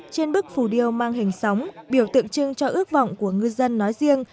trên bức phù điêu mang hình sóng biểu tượng trưng cho ước vọng của ngư dân nói riêng